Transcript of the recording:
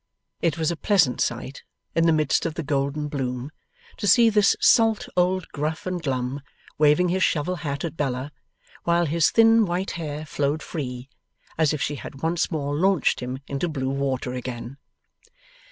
It was a pleasant sight, in the midst of the golden bloom, to see this salt old Gruff and Glum, waving his shovel hat at Bella, while his thin white hair flowed free, as if she had once more launched him into blue water again.